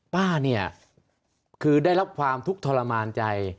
ป้าได้รับความทุกข์ทรมานใจ